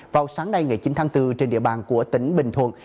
vào sáng nay ngày chín tháng bốn trên địa bàn của tỉnh bình thuận